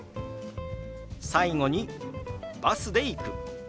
最後に「バスで行く」。